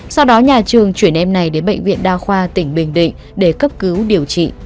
sau đó nhà trường chuyển em này đến bệnh viện đa khoa tỉnh bình định để cấp cứu điều trị